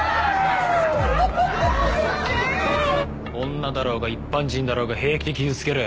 女だろうが一般人だろうが平気で傷つける。